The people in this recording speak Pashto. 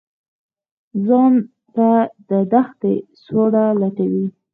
ځان ته د تېښتې سوړه لټوي.